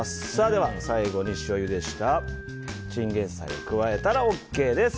では最後に、塩ゆでしたチンゲンサイを加えたらＯＫです。